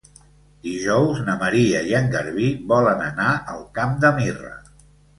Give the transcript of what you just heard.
Dijous na Maria i en Garbí volen anar al Camp de Mirra.